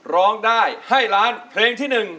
ร้องได้ให้ล้านเพลงที่๑